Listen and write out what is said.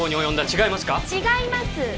違います